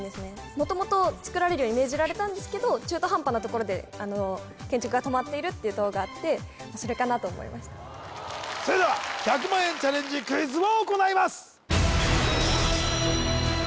元々つくられるように命じられたんですけど中途半端なところで建築が止まっているっていう塔があってそれかなと思いましたそれでは１００万円チャレンジクイズを行います